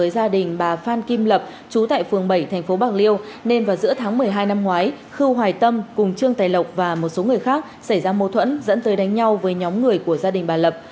tại phường bảy tp bạc liêu nên vào giữa tháng một mươi hai năm ngoái khư hoài tâm cùng trương tài lộc và một số người khác xảy ra mâu thuẫn dẫn tới đánh nhau với nhóm người của gia đình bà lập